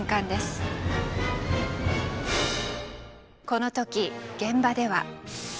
この時現場では。